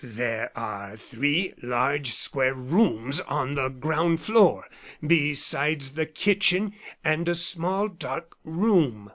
"There are three large square rooms on the ground floor, besides the kitchen and a small dark room."